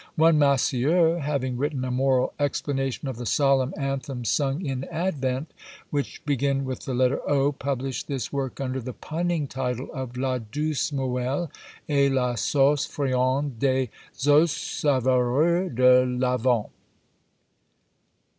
One Massieu having written a moral explanation of the solemn anthems sung in Advent, which begin with the letter O, published this work under the punning title of La douce Moelle, et la Sauce friande des os Savoureux de l'Avent.